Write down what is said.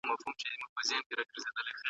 حکومت د خلګو په خدمت کي دی.